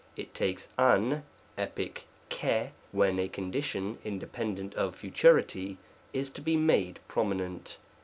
It takes av (Epic ^i)^ when a condition, independent of futurity, is to be made prominent.